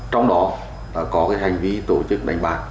trong đó có hành vi tổ chức đánh bạc